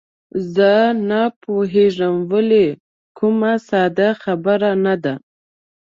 زه نه پوهېږم ویل، کومه ساده خبره نه ده.